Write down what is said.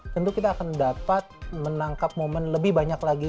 tentu kita akan dapat menangkap momen lebih banyak lagi